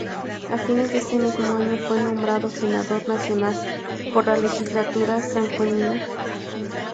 A fines de ese mismo año fue nombrado senador nacional por la Legislatura sanjuanina.